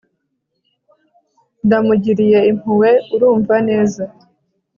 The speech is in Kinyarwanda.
Ndamugiriye impuhwe urumva neza